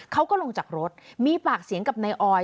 เขาก็ลงจากรถมีปากเสียงกับนายออย